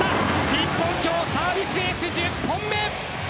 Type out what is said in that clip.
日本今日はサービスエース１０本目。